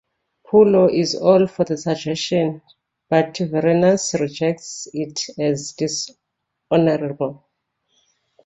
Pullo is all for the suggestion, but Vorenus rejects it as dishonorable.